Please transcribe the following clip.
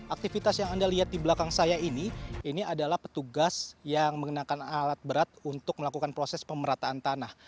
aktivitas yang anda lihat di belakang saya ini ini adalah petugas yang mengenakan alat berat untuk melakukan proses pemerataan tanah